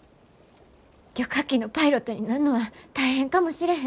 旅客機のパイロットになんのは大変かもしれへん。